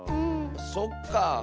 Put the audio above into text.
そっかあ。